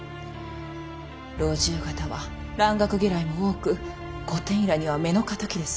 老中方は蘭学嫌いも多く御殿医らには目の敵です。